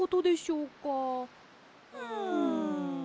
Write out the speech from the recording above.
うん。